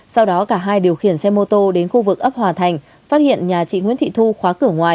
sau đó cả hai điều khiển xe mô tô đến khu vực ấp hòa thành phát hiện nhà chị nguyễn thị thu khóa cửa ngoài